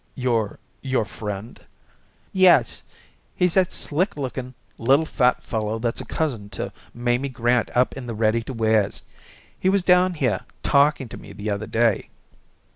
"Your your friend?" "Yes. He's that slick looking, little fat fellow that's a cousin to Mamie Grant up in the ready to wears. He was down here talking to me the other day."